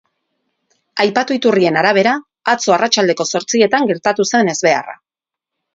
Aipatu iturrien arabera, atzo arratsaldeko zortzietan gertatu zen ezbeharra.